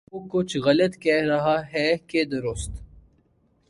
وہ کچھ غلط کہہ رہا ہے کہ درست